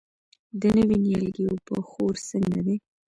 د نوي نیالګي اوبه خور څنګه دی؟